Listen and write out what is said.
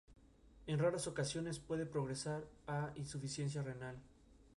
Al número de ese año se le llamaba el número "Shi".